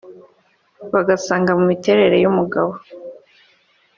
bagasanga mu miterere y’umugabo